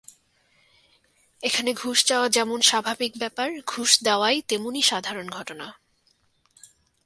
এখানে ঘুষ চাওয়া যেমন স্বাভাবিক ব্যাপার, ঘুষ দেওয়াও তেমনই সাধারণ ঘটনা।